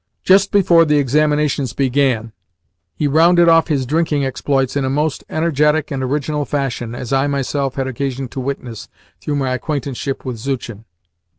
Just before the examinations began, he rounded off his drinking exploits in a most energetic and original fashion, as I myself had occasion to witness (through my acquaintanceship with Zuchin).